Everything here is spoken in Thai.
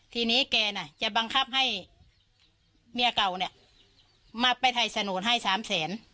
ทีนี้แกน่ะจะบังคับให้เมียเก่าเนี่ยมาไปถ่ายสนุนให้สามแสน